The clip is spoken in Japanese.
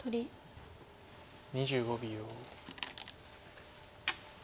２５秒。